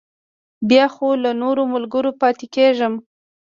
بیا خو له نورو ملګرو پاتې کېږم.